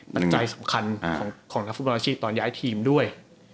เป็นปัญญาสำคัญของนักฝุ่นบริษัทตอนย้ายทีมด้วย